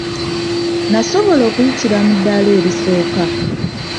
Nasobola okuyitira mu ddaala erisooka.